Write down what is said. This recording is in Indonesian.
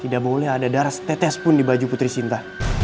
tidak boleh ada darah tetes pun di baju putri sinta